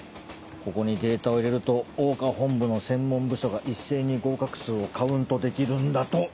ここにデータを入れると桜花本部の専門部署が一斉に合格数をカウントできるんだと。